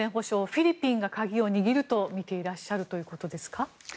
フィリピンが鍵を握ると見ていらっしゃるということですか？